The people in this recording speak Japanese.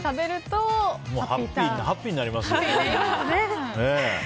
ハッピーになります。